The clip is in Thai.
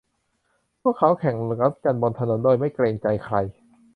พวกเขาแข่งรถกันบนถนนโดยไม่เกรงใจใคร